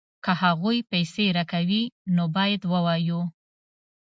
که هغوی پیسې راکوي نو باید ووایو